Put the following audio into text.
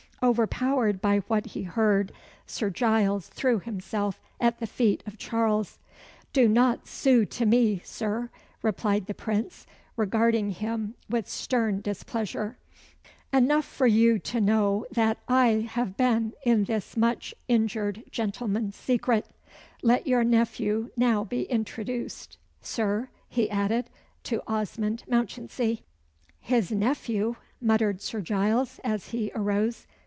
Overpowered by what he heard, Sir Giles threw himself at the feet of Charles. "Do not sue to me, Sir," replied the Prince, regarding him with stern displeasure. "Enough for you to know that I have been in this much injured gentleman's secret. Let your nephew now be introduced, Sir," he added, to Osmond Mounchensey. "His nephew!" muttered Sir Giles, as he arose.